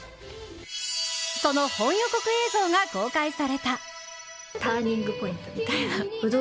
その本予告映像が公開された。